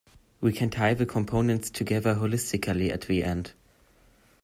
We can tie the components together holistically at the end.